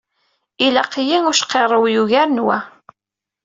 Ilaq-iyi ucqirrew yugaren wa.